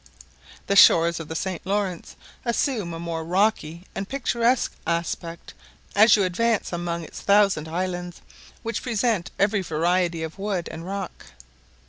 The shores of the St. Laurence assume a more rocky and picturesque aspect as you advance among its thousand islands, which present every variety of wood and rock.